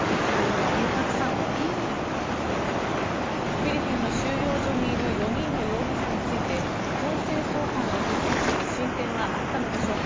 フィリピンの収容所にいる４人の容疑者について強制送還の手続きに進展はあったのでしょうか。